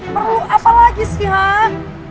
perlu apa lagi sih ha